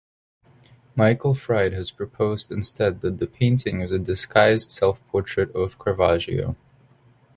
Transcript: Michael Fried has proposed instead that the painting is a disguised self-portrait of Caravaggio.